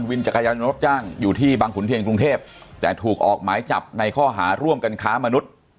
จักรยานยนต์รับจ้างอยู่ที่บางขุนเทียนกรุงเทพแต่ถูกออกหมายจับในข้อหาร่วมกันค้ามนุษย์